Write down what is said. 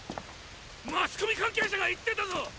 マスコミ関係者が言ってたぞ！